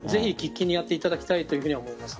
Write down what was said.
そっちの方をぜひ喫緊にやっていただきたいと思います。